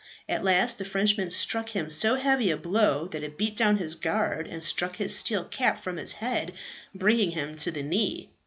At last the Frenchman struck him so heavy a blow that it beat down his guard and struck his steel cap from his head, bringing him to the knee.